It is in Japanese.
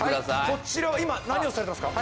こちらは今何をされてますか？